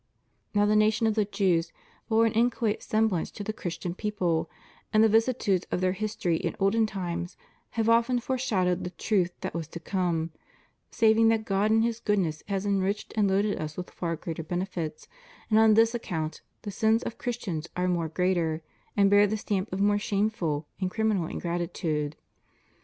"* Now the nation of the Jews bore an inchoate semblance to the Christian people, and the vicissitudes of their history in olden times have often foreshadowed the truth that was to come, saving that God in His goodness has enriched and loaded us with far greater benefits, and on this account the sins of Christians are much greater, and bear the stamp of more shameful and criminal ingratitude.